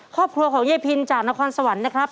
ครอบครัวของยายพินจากนครสวรรค์นะครับ